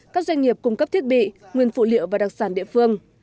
các doanh nghiệp cung cấp thiết bị nguyên phụ liệu và đặc sản địa phương